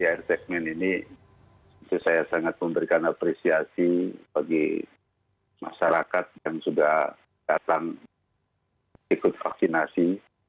di air segmen ini tentu saya sangat memberikan apresiasi bagi masyarakat yang sudah datang ikut vaksinasi